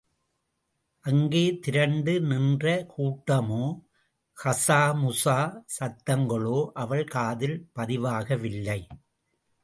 அங்கே திரண்டு நின்ற கூட்டமோ, கசாமுசா சத்தங்களோ, அவள் காதில் பதிவாகவில்லை.